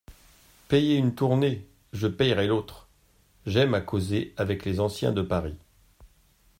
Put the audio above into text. Payez une tournée, je paierai l'autre ; j'aime à causer avec les anciens de Paris.